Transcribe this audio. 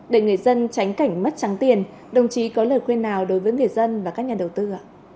để người dân tránh cảnh mất trắng tiền đồng chí có lời khuyên nào đối với người dân và các nhà đầu tư ạ